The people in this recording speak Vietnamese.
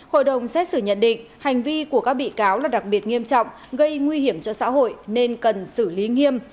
hội đồng xét xử nhận định hành vi của các bị cáo là đặc biệt nghiêm trọng gây nguy hiểm cho xã hội nên cần xử lý nghiêm